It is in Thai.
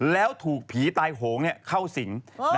แล้วถูกผีตายโหงเข้าสิง